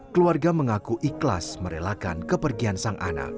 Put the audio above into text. keluarga mengaku ikhlas merelakan kepergian sang anak